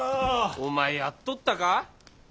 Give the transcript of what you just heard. お前やっとったか？